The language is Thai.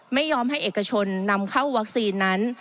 ไม่ยอมให้เอกชนนำเข้าวัคซีนนั้น